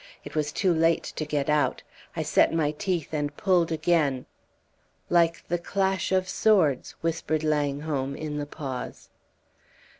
It was too late to get out. I set my teeth and pulled again ..." "Like the clash of swords," whispered Langholm, in the pause.